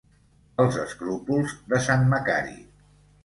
Els escrúpols de sant Macari.